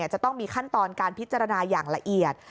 จะต้องมีขั้นตอนการพิจารณาอย่างละเอียด